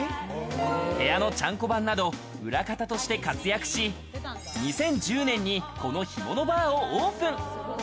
部屋のちゃんこ番など裏方として活躍し、２０１０年にこの干物バーをオープン。